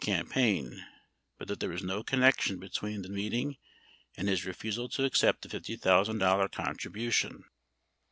938 campaign, but that there was no connection between the meeting and his refusal to accept the $50,000 contribution.